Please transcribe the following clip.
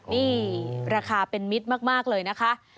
นี่ราคาเป็นมิตรมากเลยนะคะ